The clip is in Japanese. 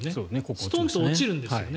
ストンと落ちるんですよね。